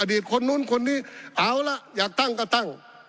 คนนู้นคนนี้เอาล่ะอยากตั้งก็ตั้ง